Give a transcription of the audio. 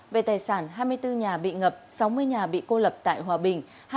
về tài sản hai mươi bốn nhà bị ngập sáu mươi nhà bị cô lập tại hòa bình